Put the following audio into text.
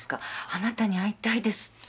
「あなたに会いたいです」だって。